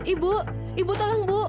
ibu ibu tolong bu